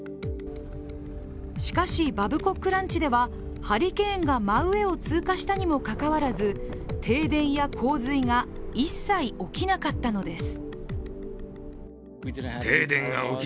しかしバブコックランチではハリケーンが真上を通過したにもかかわらず停電や洪水が一切起きなかったのです。